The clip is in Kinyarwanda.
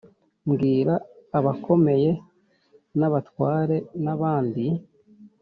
mbwira abakomeye nabatware nabandi